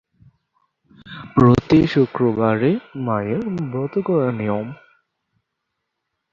প্রতি শুক্রবারে মায়ের ব্রত করার নিয়ম।